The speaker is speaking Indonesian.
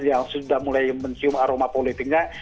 yang sudah mulai mencium aroma politiknya